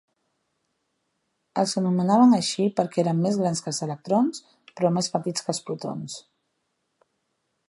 Els anomenaven així perquè eren més grans que electrons, però més petits que protons.